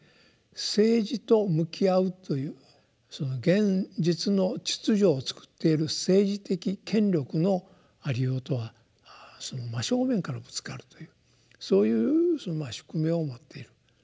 政治と向き合うという現実の秩序をつくっている政治的権力のありようとは真正面からぶつかるというそういう宿命を持っている。